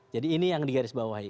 jadi ini yang digarisbawahi